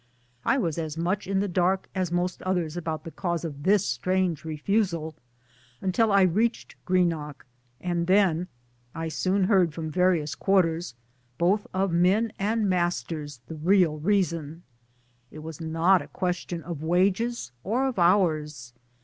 I was as much in the dark as most others about the cause of this strange refusal until I reached Greenock ; and then I soon heard from various quarters, both of men and masters, the real reason. It was not a question of wages or of hours.